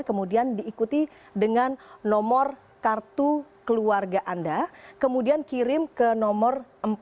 kemudian diikuti dengan nomor kartu keluarga anda kemudian kirim ke nomor empat ribu empat ratus empat puluh empat